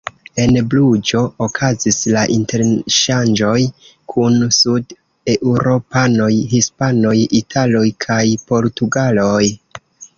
En Bruĝo okazis la interŝanĝoj kun sud-eŭropanoj: hispanoj, italoj kaj portugaloj.